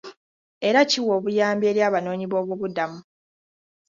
Era kiwa obuyambi eri abanoonyiboobubudamu.